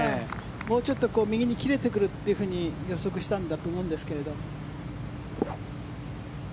もうちょっと右に切れてくると予測したんだと思うんですけれど。